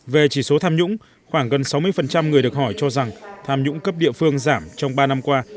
về chỉ số tham nhũng khoảng gần sáu mươi người được hỏi cho rằng tham nhũng cấp địa phương giảm trong ba năm qua